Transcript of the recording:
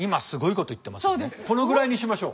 このぐらいにしましょう。